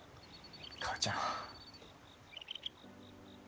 母ちゃん。